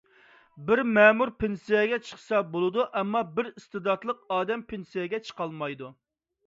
بىر مەمۇر پېنسىيەگە چىقسا بولىدۇ، ئەمما بىر ئىستېداتلىق ئادەم پېنسىيەگە چىقالمايدۇ.